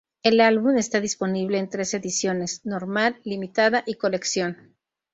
El álbum está disponible en tres ediciones: normal, limitada y colección.